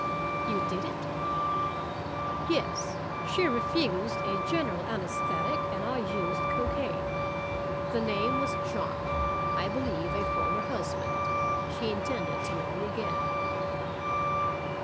"You did it?" "Yes. She refused a general anesthetic and I used cocaine. The name was John I believe a former husband. She intended to marry again."